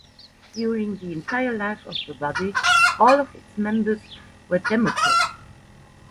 During the entire life of the body, all of its members were Democrats.